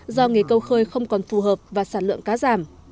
do nghề câu khơi không còn phù hợp và sản lượng cá giảm